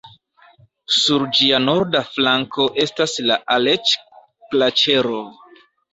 Sur ĝia norda flanko estas la Aleĉ-Glaĉero.